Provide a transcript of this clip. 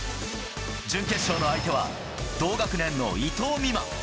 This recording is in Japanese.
準決勝の相手は、同学年の伊藤美誠。